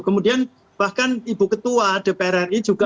kemudian bahkan ibu ketua dpr ri juga